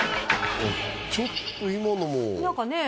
ちょっと今のも何かね